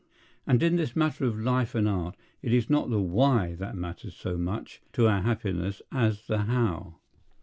And in this matter of life and art it is not the Why that matters so much to our happiness as the How.